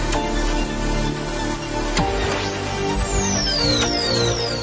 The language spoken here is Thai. โปรดติดตามตอนต่อไป